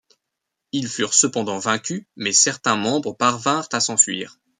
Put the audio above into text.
Ils furent cependant vaincus mais certains membres parvinrent à s'enfuir.